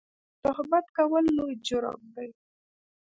تهمت کول لوی جرم دی